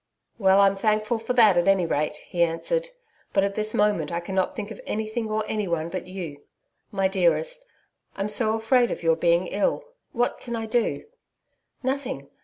'Well, I'm thankful for that at any rate,' he answered. 'But at this moment I cannot think of anything or anyone but you. My dearest I'm so afraid of your being ill what can I do?' 'Nothing.